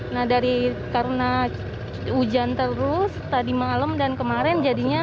nah dari karena hujan terus tadi malam dan kemarin jadinya